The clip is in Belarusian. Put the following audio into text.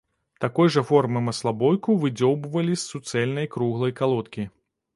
Такой жа формы маслабойку выдзёўбвалі з суцэльнай круглай калодкі.